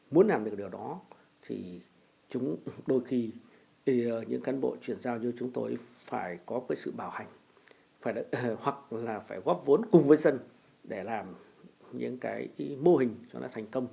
muốn làm được điều đó thì chúng đôi khi những cán bộ chuyển giao như chúng tôi phải có cái sự bảo hành hoặc là phải góp vốn cùng với dân để làm những cái mô hình cho nó thành công